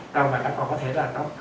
rồi mà nó còn có thể là nó